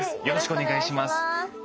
よろしくお願いします。